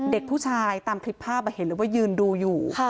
เด็กผู้ชายตามคลิปภาพเห็นเลยว่ายืนดูอยู่